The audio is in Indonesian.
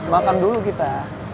makan dulu kita